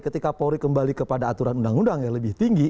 ketika polri kembali kepada aturan undang undang yang lebih tinggi